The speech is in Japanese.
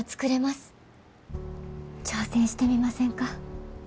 挑戦してみませんか？